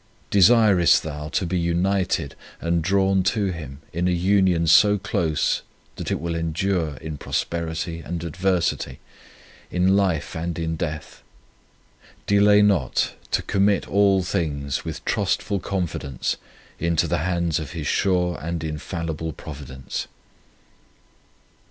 Desirest thou to be united and drawn to Him in a union so close that it will endure in prosperity and adversity, in life and in death ? Delay not to commit all things with trustful confidence into the hands of His sure and infallible Providence.